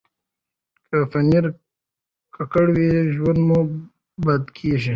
که پنېر ککړ وي، زړه مو بد کېږي.